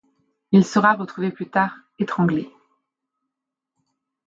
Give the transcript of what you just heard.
Il sera retrouvé plus tard étranglé.